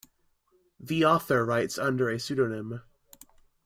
The author writes under a pseudonym.